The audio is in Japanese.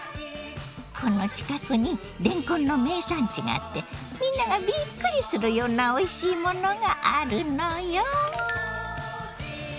この近くにれんこんの名産地があってみんながびっくりするようなおいしいものがあるのよ！